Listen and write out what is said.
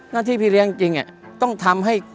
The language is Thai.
หน้าที่พี่เลี้ยงจริงต้องทำให้